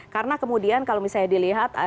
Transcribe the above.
karena kemudian kalau misalnya dilihat